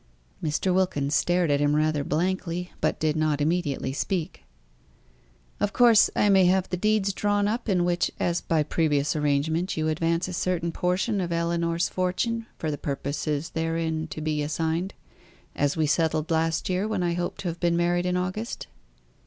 Mr. Wilkins stared at him rather blankly, but did not immediately speak. "Of course I may have the deeds drawn up in which, as by previous arrangement, you advance a certain portion of Ellinor's fortune for the purposes therein to be assigned; as we settled last year when I hoped to have been married in August?"